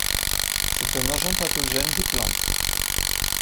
C'est un agent pathogène des plantes.